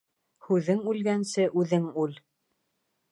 Һүҙең үлгәнсе, үҙең үл.